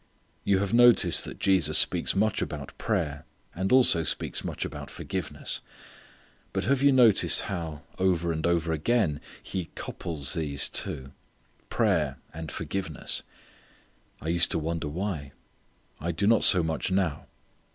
You have noticed that Jesus speaks much about prayer and also speaks much about forgiveness. But have you noticed how, over and over again He couples these two prayer and forgiveness? I used to wonder why. I do not so much now.